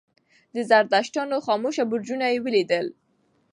د زردشتانو خاموشه برجونه یې ولیدل.